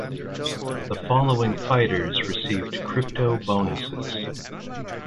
The following fighters received crypto bonuses.